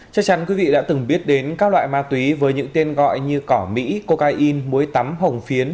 chắc chắn quý vị đã từng biết đến các loại ma túy với những tên gọi như cỏ mỹ cocaine mối tắm hồng phiến